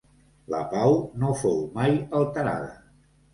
La pau no fou mai alterada.